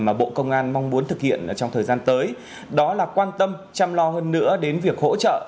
mà bộ công an mong muốn thực hiện trong thời gian tới đó là quan tâm chăm lo hơn nữa đến việc hỗ trợ